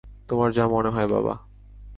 তোমার যা মনে হয়, বাবা!